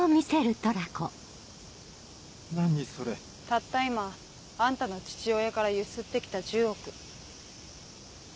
たった今あんたの父親からゆすって来た１０億。